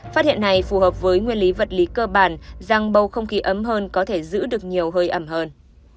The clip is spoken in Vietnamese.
phát hiện này phù hợp với nguyên lý vật lý cơ bản rằng bầu không khí ấm hơn có thể giữ được nhiều hơi ẩm hơn